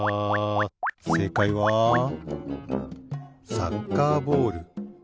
せいかいはサッカーボール。